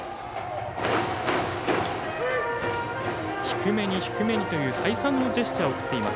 低めに低めにという再三のジェスチャーを送っています